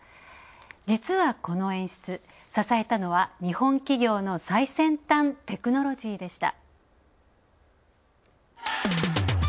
実は、この演出、支えたのは日本企業の最先端テクノロジーでした。